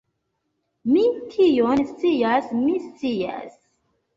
Mi tion scias, mi scias!